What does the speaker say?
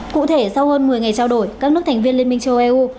cụ thể sau hơn một mươi ngày trao đổi các nước thành viên liên minh châu âu